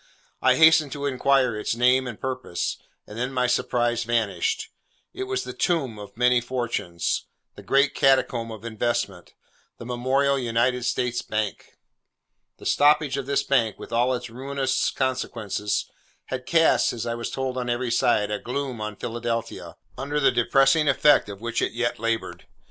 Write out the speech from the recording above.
I hastened to inquire its name and purpose, and then my surprise vanished. It was the Tomb of many fortunes; the Great Catacomb of investment; the memorable United States Bank. The stoppage of this bank, with all its ruinous consequences, had cast (as I was told on every side) a gloom on Philadelphia, under the depressing effect of which it yet laboured.